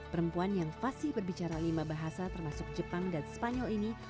perempuan yang fasih berbicara lima bahasa termasuk jepang dan spanyol ini